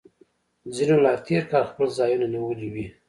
ځینو لا تیر کال خپل ځایونه نیولي وي